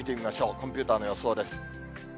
コンピューターの予想です。